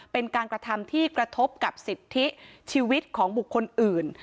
เป็นการกระทำที่กระทบกับสิทธิชีวิตของบุคคลอื่น